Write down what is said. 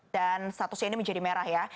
dan statusnya ini menjadi merah ya